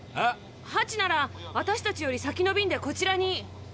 ハチなら私たちより先の便でこちらに。